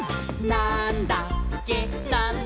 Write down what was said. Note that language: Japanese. なんだっけ？！」